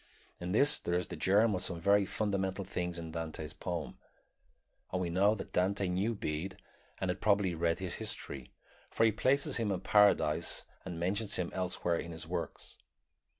In this there is the germ of some very fundamental things in Dante's poem, and we know that Dante knew Bede and had probably read his history, for he places him in Paradise and mentions him elsewhere in his works.